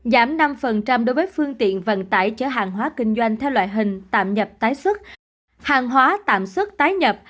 giảm năm đối với phương tiện vận tải chở hàng hóa kinh doanh theo loại hình tạm nhập tái xuất hàng hóa tạm xuất tái nhập